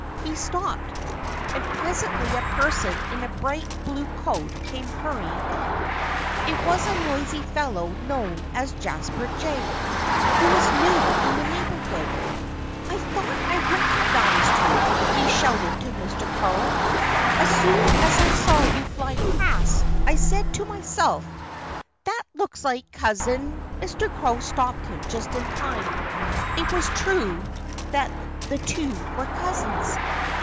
He stopped. And presently a person in a bright blue coat came hurrying up. It was a noisy fellow known as Jasper Jay, who was new in the neighborhood. "I thought I recognized you," he shouted to Mr. Crow. "As soon as I saw you fly past I said to myself, 'That looks like Cousin '" Mr. Crow stopped him just in time. It was true that the two were cousins.